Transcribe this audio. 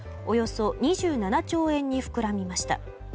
およそ２７兆円に膨らみました。